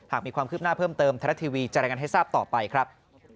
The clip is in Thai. หากมีความคืบหน้าเพิ่มเติมไทยรัฐทีวีจะรายงานให้ทราบต่อไปครับ